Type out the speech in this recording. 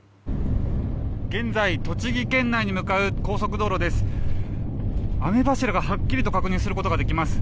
現在、栃木県内に向かう高速道路です。